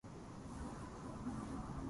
北海道弟子屈町